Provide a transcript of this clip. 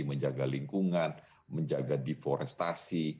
menjaga lingkungan menjaga deforestasi